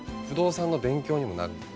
不動産の勉強にもなる。